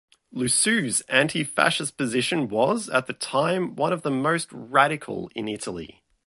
Lussu's anti-Fascist position was, at the time, one of the most radical in Italy.